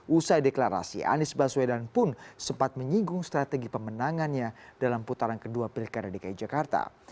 usai deklarasi anies baswedan pun sempat menyinggung strategi pemenangannya dalam putaran kedua pilkada dki jakarta